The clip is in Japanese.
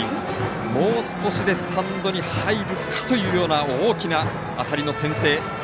もう少しでスタンドに入るかというような大きな当たりの先制